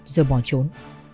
rồi bỏ trốn